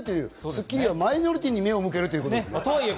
『スッキリ』はマイノリティーに目を向けるという。